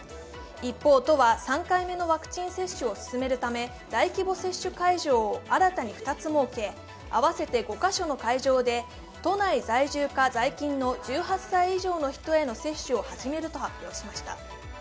一方、都は３回目のワクチン接種を進めるため大規模接種会場を新たに２つ設け、合わせて５カ所の会場で都内在住か在勤の１８歳以上の人への接種を始めると発表しました。